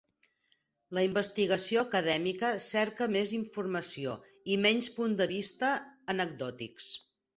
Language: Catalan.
La investigació acadèmica cerca més informació i menys punts de vista anecdòtics.